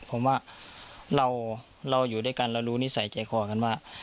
ผมว่าเราอยู่ด้วยกันเรารู้นิสัยใจคอกันว่า